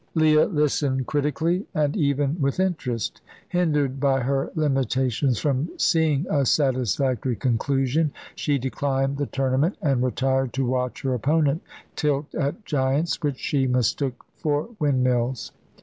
Leah listened critically, and even with interest. Hindered by her limitations from seeing a satisfactory conclusion, she declined the tournament, and retired to watch her opponent tilt at giants which she mistook for windmills.